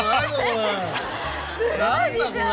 何だこれ！